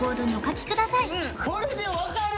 これで分かる？